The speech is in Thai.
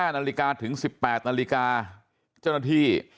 นาฬิกาถึง๑๘นาฬิกาเจ้าหน้าที่